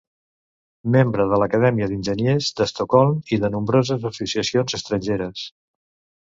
Membre de l'Acadèmia d'Enginyers d'Estocolm i de nombroses associacions estrangeres.